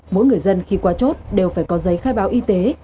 mỗi người dân khi qua chốt đều phải có giấy khai báo y tế